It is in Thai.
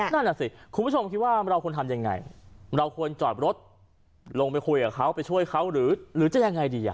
นั่นน่ะสิคุณผู้ชมคิดว่าเราควรทำยังไงเราควรจอดรถลงไปคุยกับเขาไปช่วยเขาหรือจะยังไงดี